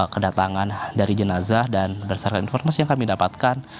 kedatangan dari jenazah dan berdasarkan informasi yang kami dapatkan